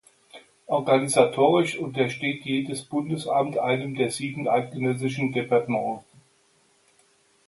Organisatorisch untersteht jedes Bundesamt einem der sieben Eidgenössischen Departemente.